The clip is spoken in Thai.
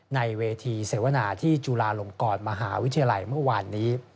ในเวทีเสวนาที่จุฬาลงกรมหาวิทยาลัยเมื่อวานนี้